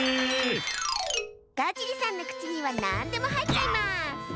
ガジリさんのくちにはなんでもはいっちゃいます！